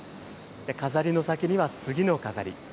飾りの先には次の飾り。